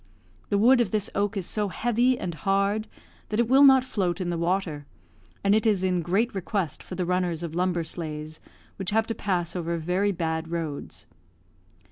The wood of this oak is so heavy and hard that it will not float in the water, and it is in great request for the runners of lumber sleighs, which have to pass over very bad roads.